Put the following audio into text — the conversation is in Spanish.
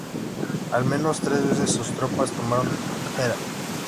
Al menos tres veces sus tropas tomaron Herat.